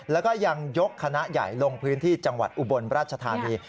แล้วก็ยังยกคณะใหญ่ลงพื้นที่จังหวัดอุบลราชธานี